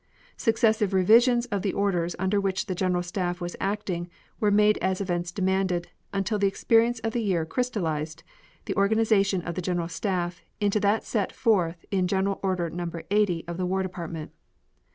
Successive revisions of the orders under which the General Staff was acting were made as events demanded, until the experience of the year crystallized the organization of the General Staff into that set forth in General Order No. 80 of the War Department.